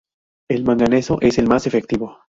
El manganeso es el más efectivo.